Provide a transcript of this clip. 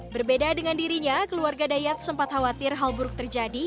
berbeda dengan dirinya keluarga dayat sempat khawatir hal buruk terjadi